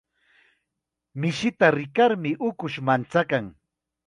Mishita rikarmi ukushqa manchakan.